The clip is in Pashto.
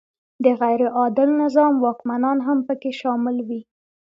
د غیر عادل نظام واکمنان هم پکې شامل وي.